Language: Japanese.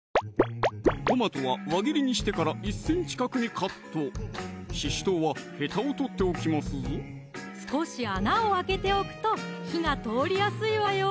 トマトは輪切りにしてから１ｃｍ角にカットししとうはヘタを取っておきますぞ少し穴を開けておくと火が通りやすいわよ